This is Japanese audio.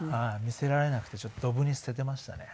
見せられなくてちょっとドブに捨てていましたね。